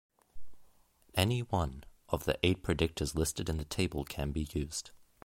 Any one of the eight predictors listed in the table can be used.